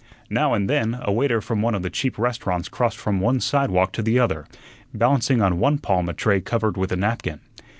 Now and then a waiter from one of the cheap restaurants crossed from one sidewalk to the other, balancing on one palm a tray covered with a napkin.